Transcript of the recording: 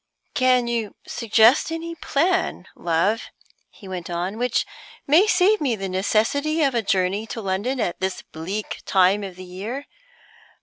"Can you suggest any plan, love," he went on, "which may save me the necessity of a journey to London at this bleak time of the year?